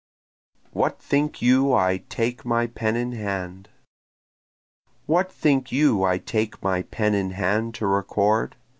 What Think You I Take My Pen in Hand? What think you I take my pen in hand to record?